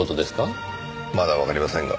まだわかりませんが。